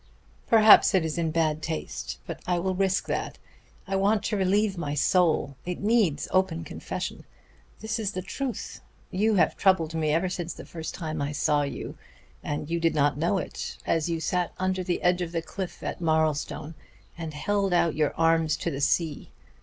Perhaps it is in bad taste, but I will risk that I want to relieve my soul, it needs open confession. This is the truth. You have troubled me ever since the first time I saw you and you did not know it as you sat under the edge of the cliff at Marlstone and held out your arms to the sea.